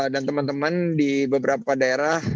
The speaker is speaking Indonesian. dan teman teman di beberapa daerah